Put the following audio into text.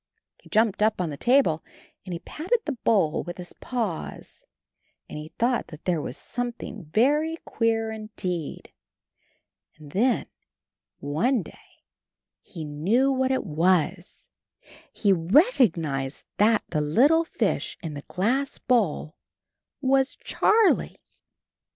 He jumped up on the table and he patted the bowl with his paws, and he thought that there was something very queer indeed. And then one day he knew what it was — ^he recog nized AND HIS KITTEN TOPSY 35 that the little fish in the glass bowl was Char lie!